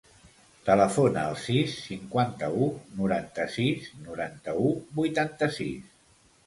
Telefona al sis, cinquanta-u, noranta-sis, noranta-u, vuitanta-sis.